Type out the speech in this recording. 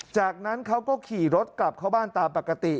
จากนั้นเขาก็ขี่รถกลับเข้าบ้านตามปกติ